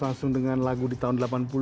langsung dengan lagu di tahun delapan puluh